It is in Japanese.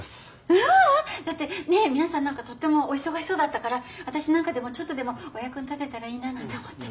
ううん！だってねぇ皆さん何かとってもお忙しそうだったから私なんかでもちょっとでもお役に立てたらいいななんて思って。